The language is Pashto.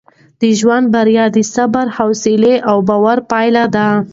د ژوند بریا د صبر، حوصله او باور پایله ده.